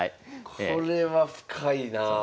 これは深いなあ。